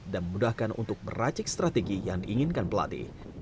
dan memudahkan untuk meracik strategi yang diinginkan pelatih